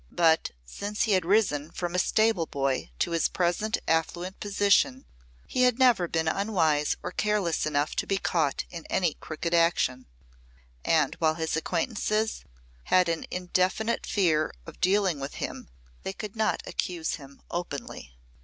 But since he had risen from a stable boy to his present affluent position he had never been unwise or careless enough to be caught in any crooked action; and while his acquaintances had an indefinite fear of dealing with him they could not accuse him openly.